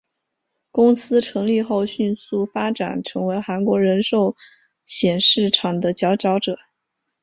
公司成立后迅速发展成为韩国人寿险市场的佼佼者。